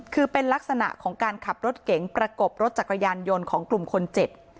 คือเป็นลักษณะของการขับรถเก๋งประกบรถจักรยานยนต์ของกลุ่มคนเจ็บ